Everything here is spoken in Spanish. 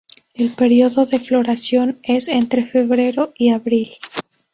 El período de floración es entre febrero y abril.